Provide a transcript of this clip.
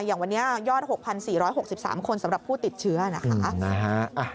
อย่างวันนี้ยอด๖๔๖๓คนสำหรับผู้ติดเชื้อนะคะ